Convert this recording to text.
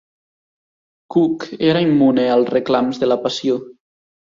Cook era immune als reclams de la passió?